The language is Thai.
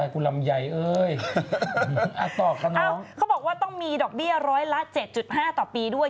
เขาบอกว่าต้องมีดอกเบี้ยร้อยละ๗๕ต่อปีด้วย